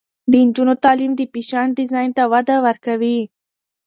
د نجونو تعلیم د فیشن ډیزاین ته وده ورکوي.